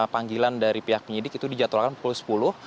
panggilan dari pihak penyidik itu dijadwalkan pukul sepuluh